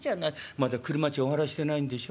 まだ俥賃お払いしてないんでしょ？